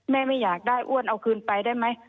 ไม่อยากได้อ้วนเอาคืนไปได้ไหม